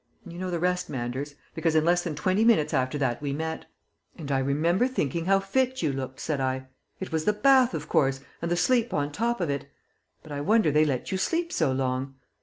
You know the rest, Manders, because in less than twenty minutes after that we met." "And I remember thinking how fit you looked," said I. "It was the bath, of course, and the sleep on top of it. But I wonder they let you sleep so long."